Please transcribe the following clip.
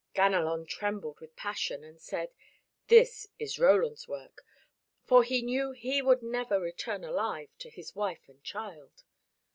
Ganelon trembled with passion and said, "this is Roland's work," for he knew he would never return alive to his wife and child.